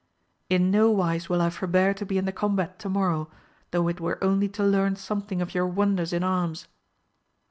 In no wise will I forbear to be in the combat to morrow, though it were only to learn something of your wonders in arms.